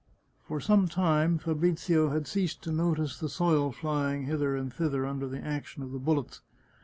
For some time Fabrizio had ceased to notice the soil flying hither and thither under the action of the bullets.